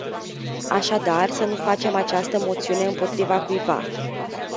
Așadar să nu facem această moțiune împotriva cuiva.